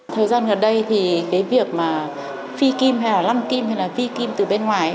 thời gian gần đây thì cái việc mà phi kim hay là lăn kim hay là vi kim từ bên ngoài